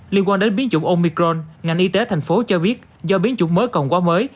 liên quan đến biến chủng omicron ngành y tế thành phố cho biết do biến chủng mới còn quá mới